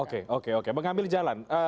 oke oke oke mengambil jalan